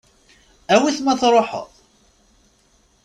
Awi-t ma tṛuḥeḍ.